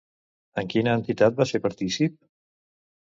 En quina entitat va ser partícip?